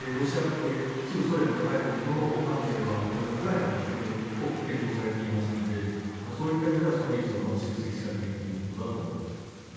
旧ソ連の艦艇はウクライナで多く建造されていましたのでそういった意味ではその技術がまだ集積されているということだと思います。